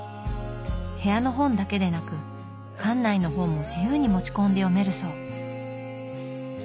部屋の本だけでなく館内の本も自由に持ち込んで読めるそう。